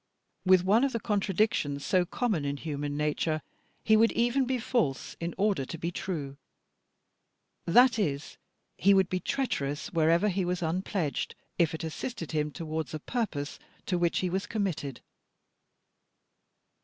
With one of the contradictions so common in human nature, he would even be false in order to be true: that is, he would be treacherous wherever he was unpledged, if it assisted him towards a purpose to which he was committed.